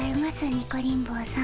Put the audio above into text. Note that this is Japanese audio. ニコリン坊さん。